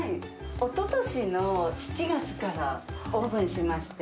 おととしの７月からオープンしまして。